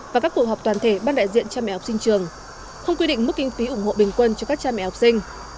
và các cuộc họp toàn thể ban đại diện cha mẹ học sinh trường không quy định mức kinh phí ủng hộ bình quân cho các cha mẹ học sinh